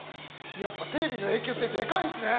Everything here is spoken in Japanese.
やっぱテレビの影響ってでかいんですね！